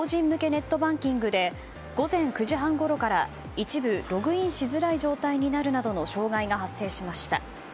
ネットバンキングで午前９時半ごろから一部ログインしづらい状態になるなどの障害が発生しました。